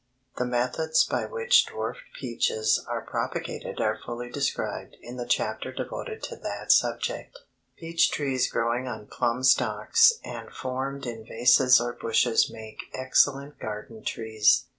The methods by which dwarf peaches are propagated are fully described in the chapter devoted to that subject. Peach trees growing on plum stocks and formed in vases or bushes make excellent garden trees.